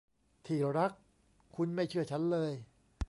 ที่รัก คุณไม่เชื่อฉันเลย